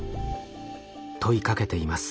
問いかけています。